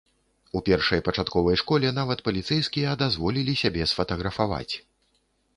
У першай пачатковай школе нават паліцэйскія дазволілі сябе сфатаграфаваць.